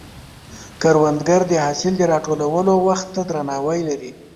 کروندګر د حاصل د راټولولو وخت ته درناوی لري